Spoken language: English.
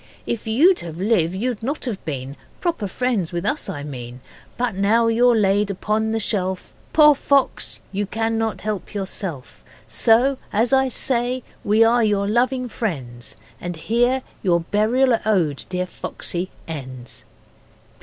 If you had lived you'd not have been (Been proper friends with us, I mean), But now you're laid upon the shelf, Poor fox, you cannot help yourself, So, as I say, we are your loving friends And here your Burial Ode, dear Foxy, ends.